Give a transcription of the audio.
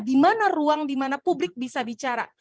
di mana ruang di mana publik bisa bicara